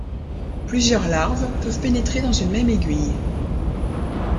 Plusieurs larves peuvent pénétrer dans une même aiguille.